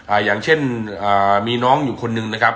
อย่างเช่นอ่ามีน้องอยู่คนหนึ่งนะครับ